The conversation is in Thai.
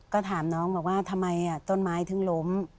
ก็ถามน้องบอกว่าทำไมต้นไม้ถึงล้ม